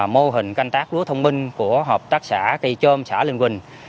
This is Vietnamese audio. mô hình canh tác lúa thông minh của hợp tác xã cây trôm xã linh quỳnh